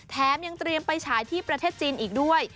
แถมยังเตรียมไปฉายที่ประเทศจีนอีกด้วย